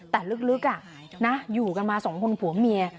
แต่ลึกอยู่กันมา๒คนผัวเมีย